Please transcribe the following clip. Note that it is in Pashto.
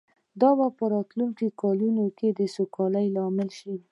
دا به په راتلونکو کلونو کې د سوکالۍ لامل شي